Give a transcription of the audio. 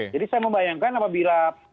jadi saya membayangkan apabila